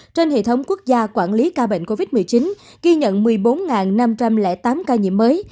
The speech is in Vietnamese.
trên hệ thống quốc gia quản lý ca bệnh covid một mươi chín ghi nhận một mươi bốn năm trăm linh tám ca nhiễm mới